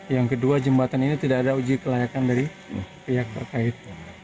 yang kedua jembatan ini tidak ada uji kelayakan dari pihak terkait